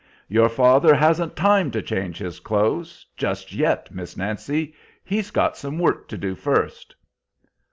"Your father hasn't time to change his clothes just yet, Miss Nancy; he's got some work to do first."